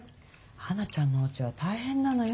花ちゃんのおうちは大変なのよ。